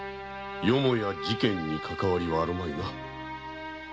よもや事件にかかわりはあるまいな？